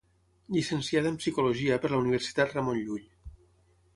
Llicenciada en Psicologia per la Universitat Ramon Llull.